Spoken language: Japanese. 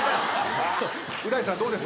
う大さんどうですか？